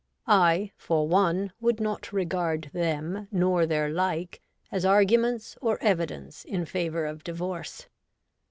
I, for one, would not regard them nor their like as arguments or evidence in favour of divorce.